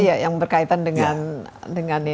iya yang berkaitan dengan ini